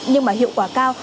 nhưng mà hiệu quả cao